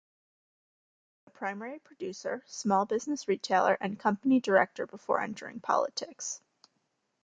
He was a primary producer, small business retailer and company director before entering politics.